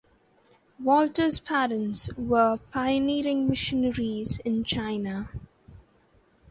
Walter's parents were pioneering missionaries in China.